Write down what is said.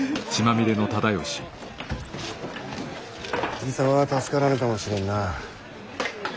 じい様は助からぬかもしれんな。